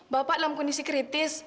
bapak dalam kondisi kritis